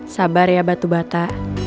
sabar ya batu bata